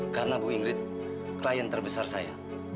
karena bu ingrid klien terbesar saya